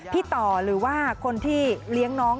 ต่อหรือว่าคนที่เลี้ยงน้อง